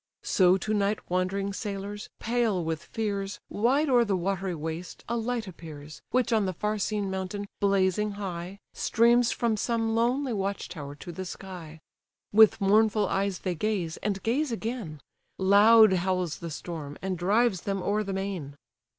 So to night wandering sailors, pale with fears, Wide o'er the watery waste, a light appears, Which on the far seen mountain blazing high, Streams from some lonely watch tower to the sky: With mournful eyes they gaze, and gaze again; Loud howls the storm, and drives them o'er the main.